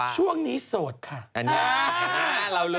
ช่วงนี้โสดค่ะ